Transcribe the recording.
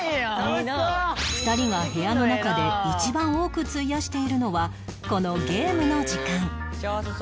２人が部屋の中で一番多く費やしているのはこのゲームの時間